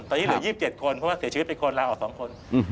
ตอนนี้เหลือ๒๗คนเพราะว่าเสียชีวิตเป็นคนลาออก๒คน